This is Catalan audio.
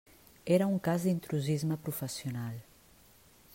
Era un cas d'intrusisme professional.